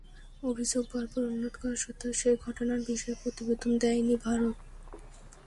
অভিযোগ, বারবার অনুরোধ করা সত্ত্বেও সেই ঘটনার বিষয়ে প্রতিবেদন দেয়নি ভারত।